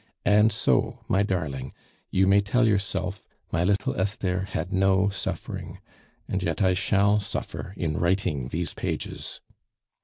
And so, my darling, you may tell yourself, 'My little Esther had no suffering.' and yet I shall suffer in writing these pages.